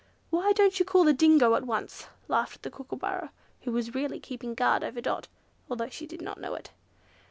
"Why don't you call the Dingo at once?" laughed the Kookooburra, who was really keeping guard over Dot, although she did not know it.